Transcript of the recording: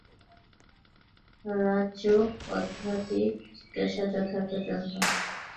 রাজযোগ আধ্যাত্মিক জিজ্ঞাসার যথার্থ যন্ত্র।